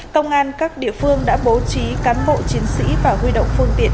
công an các địa phương đã bố trí cán bộ chiến sĩ và huy động phương tiện